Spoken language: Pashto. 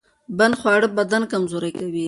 بد خواړه بدن کمزوری کوي.